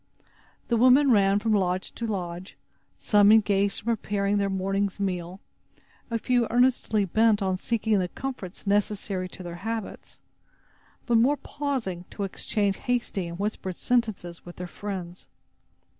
The women ran from lodge to lodge, some engaged in preparing their morning's meal, a few earnestly bent on seeking the comforts necessary to their habits, but more pausing to exchange hasty and whispered sentences with their friends.